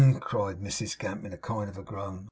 cried Mrs Gamp, in a kind of groan.